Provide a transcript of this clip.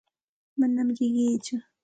Manam riqiitsu.